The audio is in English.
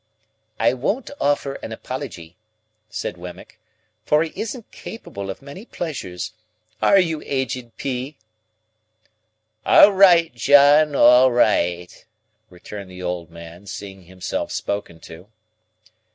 "I won't offer an apology," said Wemmick, "for he isn't capable of many pleasures—are you, Aged P.?" "All right, John, all right," returned the old man, seeing himself spoken to.